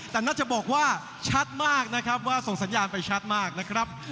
แต่น่าจะบอกว่าชัดมากนะครับว่าส่งสัญญาณไปชัดมากนะครับ